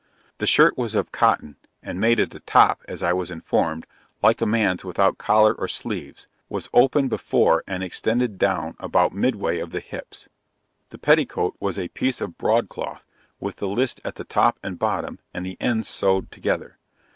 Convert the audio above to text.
The shirt was of cotton and made at the top, as I was informed, like a man's without collar or sleeves was open before and extended down about midway of the hips. The petticoat was a piece of broadcloth with the list at the top and bottom and the ends sewed together.